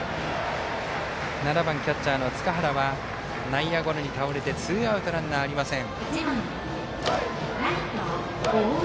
７番キャッチャーの塚原は内野ゴロに倒れてツーアウトランナー、ありません。